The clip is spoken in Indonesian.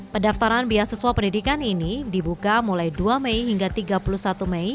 pendaftaran beasiswa pendidikan ini dibuka mulai dua mei hingga tiga puluh satu mei